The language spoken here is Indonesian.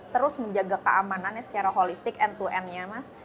terus menjaga keamanannya secara holistik end to end nya mas